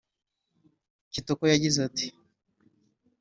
Kitoko yagize ati